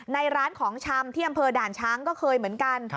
ในร้านของชำที่อำเภอด่านช้างก็เคยเหมือนกัน